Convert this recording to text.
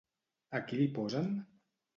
A qui li posen?